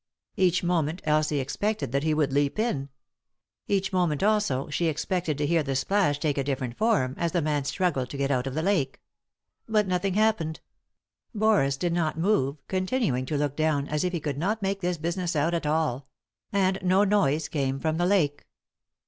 Each moment Elsie expected that he would leap in. Each moment, also, she expected to hear the splash take a different form, as the man struggled to get out of the lake. But nothing happened. Boris did not move, con tinuing to look down, as if he could not make this business out at all. And no noise came from the lake.